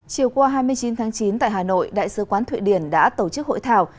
chiều qua hai mươi chín tháng chín tại hà nội đại sứ quán thụy điển đã tổ chức hội thảo